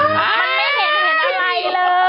มันไม่เห็นอะไรเลยคุณแม่